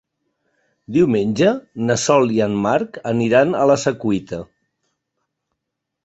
Diumenge na Sol i en Marc aniran a la Secuita.